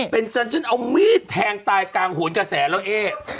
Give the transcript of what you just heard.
เป็นฉันฉันเอามีดแทงตายกลางโหนกระแสแล้วเอ๊